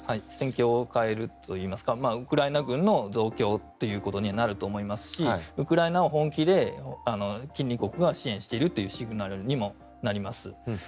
戦況を変えるといいますかウクライナ軍の増強ということにはなると思いますしウクライナを本気で近隣国が支援しているというシグナルにもなります。